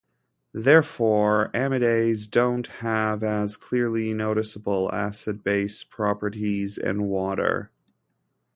Therefore, amides don't have as clearly noticeable acid-base properties in water.